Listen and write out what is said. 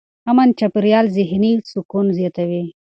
امن چاپېریال ذهني سکون زیاتوي.